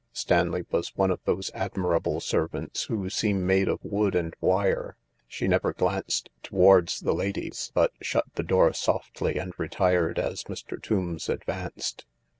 Stanley was one of those admirable servants who seem made of wood and wire ; she never glanced towards the ladies, but shut the door softly and retired as Mr. Tombs advanced.